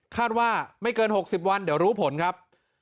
ว่าไม่เกิน๖๐วันเดี๋ยวรู้ผลครับ